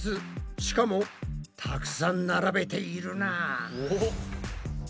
しかもたくさん並べているな。